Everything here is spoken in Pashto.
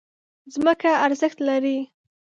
ځمکه ارزښت لري.